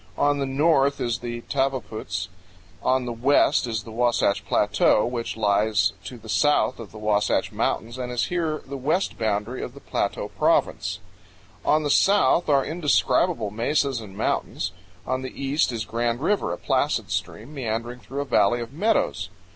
On the north is the Tavaputs; on the west is the Wasatch Plateau, which lies to the south of the Wasatch Mountains and is here the west boundary of the Plateau Province; on the south are indescribable mesas and mountains; on the east is Grand River, a placid stream meandering through a valley of meadows.